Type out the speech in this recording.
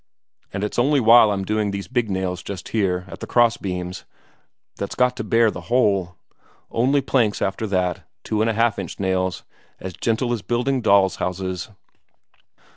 And it's only while I'm doing these big nails just here, at the cross beams, that's got to bear the whole. Only planks after that, two and a half inch nails, as gentle as building dolls' houses."